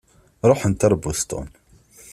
Ṛuḥent ɣer Boston.